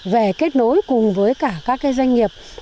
về kết nối cùng với cả các doanh nghiệp